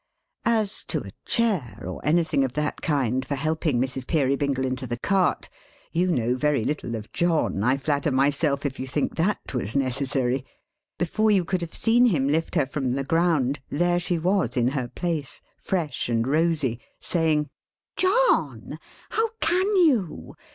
As to a chair, or anything of that kind for helping Mrs. Peerybingle into the cart, you know very little of John, I flatter myself, if you think that was necessary. Before you could have seen him lift her from the ground, there she was in her place, fresh and rosy, saying, "John! How can you!